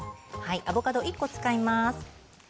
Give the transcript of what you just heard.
アボカドを１個使います。